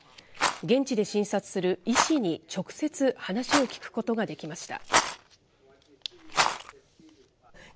現地で診察する医師に直接話を聞くことができました。